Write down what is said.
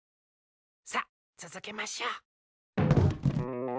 さっつづけましょう。